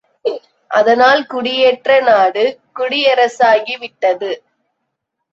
அதனால் குடியேற்ற நாடு குடியரசாகிவிட்டது.